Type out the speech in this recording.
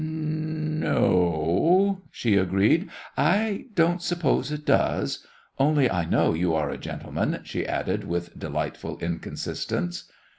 "No o o," she agreed, "I don't suppose it does. Only I know you are a gentleman," she added, with delightful inconsistence.